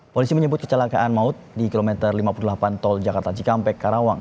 polisi menyebut kecelakaan maut di kilometer lima puluh delapan tol jakarta cikampek karawang